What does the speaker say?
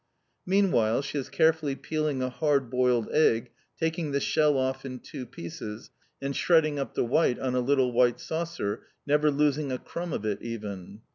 Meanwhile she is carefully peeling a hard boiled egg, taking the shell off in two pieces, and shredding up the white on a little white saucer, never losing a crumb of it even.